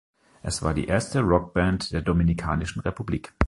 Es war die erste Rockband der Dominikanischen Republik.